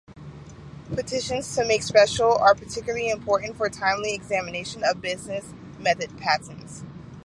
Petitions to make special are particularly important for timely examination of business method patents.